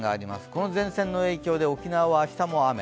この前線の影響で沖縄は明日も雨。